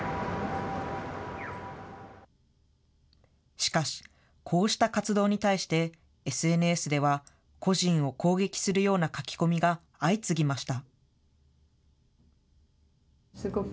しかし、こうした活動に対して、ＳＮＳでは、個人を攻撃するような書き込みが相次ぎました。